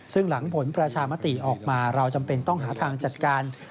ซึ่งหลังผลประชามติออกมาเราจำเป็นต้องหาทางจัดการ